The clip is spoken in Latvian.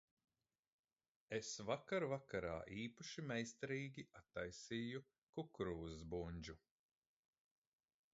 Es vakar vakarā īpaši meistarīgi attaisīju kukurūzas bundžu.